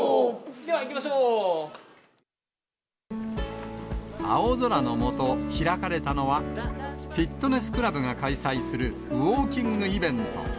では、行きま青空の下、開かれたのは、フィットネスクラブが開催するウォーキングイベント。